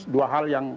dua hal yang